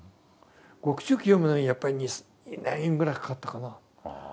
獄中記読むのにやっぱり２年ぐらいかかったかな。